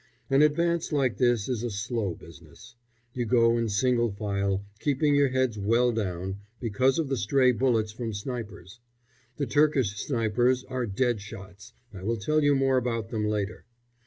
An advance like this is a slow business. You go in single file, keeping your heads well down, because of the stray bullets from snipers. The Turkish snipers are dead shots I will tell you more about them later.